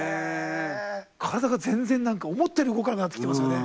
体が全然何か思ったより動かなくなってきてますよね